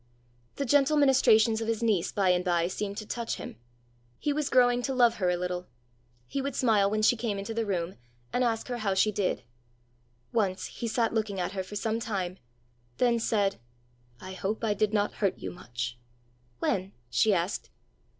The gentle ministrations of his niece by and by seemed to touch him. He was growing to love her a little. He would smile when she came into the room, and ask her how she did. Once he sat looking at her for some time then said, "I hope I did not hurt you much." "When?" she asked.